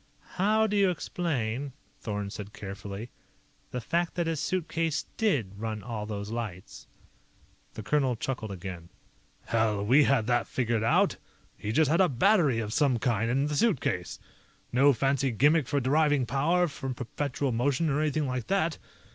"How do you explain," Thorn said carefully, "the fact that his suitcase did run all those lights?" The colonel chuckled again. "Hell, we had that figured out. He just had a battery of some kind in the suitcase. No fancy gimmick for deriving power from perpetual motion or anything like that.